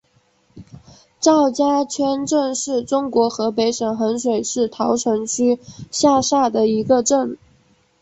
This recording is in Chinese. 赵家圈镇是中国河北省衡水市桃城区下辖的一个镇。